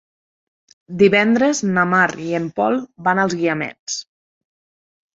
Divendres na Mar i en Pol van als Guiamets.